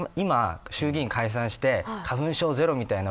今、衆議院を解散して花粉症ゼロみたいな